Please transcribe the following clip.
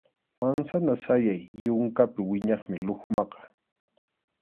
Mansana sayay yunkapi wiñaqmi lukmaqa.